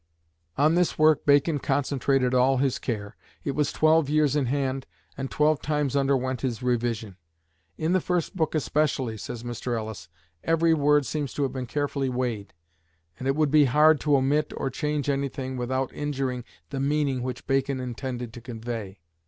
On this work Bacon concentrated all his care. It was twelve years in hand, and twelve times underwent his revision. "In the first book especially," says Mr. Ellis, "every word seems to have been carefully weighed; and it would be hard to omit or change anything without injuring the meaning which Bacon intended to convey."